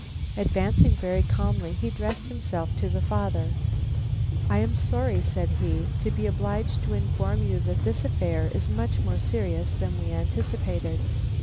Advancing very calmly, he addressed himself to the father: "I am sorry," said he, "to be obliged to inform you that this affair is much more serious than we anticipated.